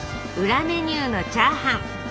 裏メニューのチャーハン。